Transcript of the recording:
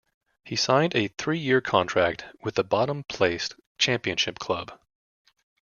He signed a three-year contract with the bottom-placed Championship club.